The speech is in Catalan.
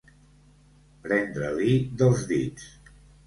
Prendre-li dels dits.